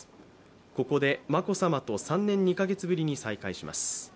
ここで眞子さまと３年２カ月ぶりに再会します。